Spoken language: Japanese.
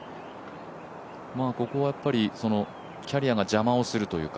ここはキャリアが邪魔をするというか。